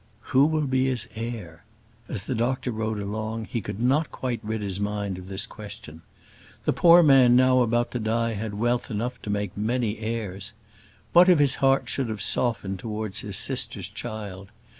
"Who will be his heir?" As the doctor rode along, he could not quite rid his mind of this question. The poor man now about to die had wealth enough to make many heirs. What if his heart should have softened towards his sister's child!